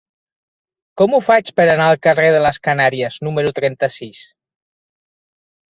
Com ho faig per anar al carrer de les Canàries número trenta-sis?